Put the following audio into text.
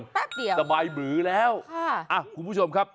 แป๊บเดียวสบายบือแล้วค่ะอ่ะคุณผู้ชมครับ